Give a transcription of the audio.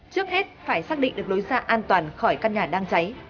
trước hết phải xác định được lối ra an toàn khỏi căn nhà đang cháy